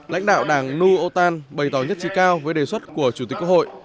lãnh đạo đảng nu otan bày tỏ nhất trí cao với đề xuất của chủ tịch quốc hội